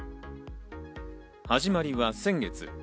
始まりは先月。